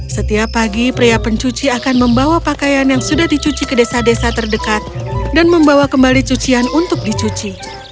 setiap pagi pria pencuci akan membawa pakaian yang sudah dicuci ke desa desa terdekat dan membawa kembali cucian untuk dicuci